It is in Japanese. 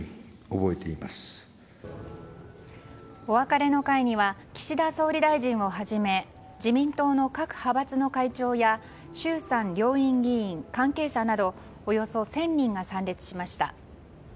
お別れの会には岸田総理大臣をはじめ自民党の各派閥の会長や衆参両院議員関係者などおよそ１０００人が参列しました。